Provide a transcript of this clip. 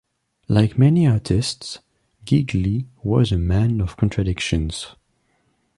Like many artists, Gigli was a man of contradictions.